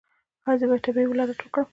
ایا زه باید طبیعي ولادت وکړم؟